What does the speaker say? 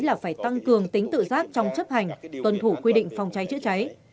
là phải tăng cường tính tự giác trong chấp hành tuân thủ quy định phòng cháy chữa cháy